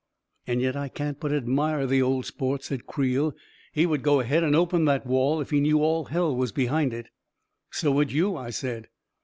" And yet I can't but admire the old sport," said Creel. " He would go ahead and open that wall, if he knew all hell was behind it !" 11 So would you !" I said.